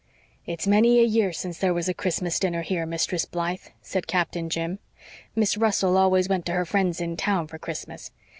"It's many a year since there was a Christmas dinner here, Mistress Blythe," said Captain Jim. "Miss Russell always went to her friends in town for Christmas.